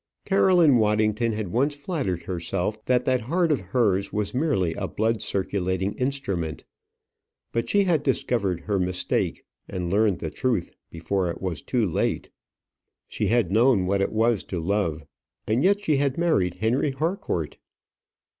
Caroline Waddington had once flattered herself that that heart of hers was merely a blood circulating instrument. But she had discovered her mistake, and learned the truth before it was too late. She had known what it was to love and yet she had married Henry Harcourt!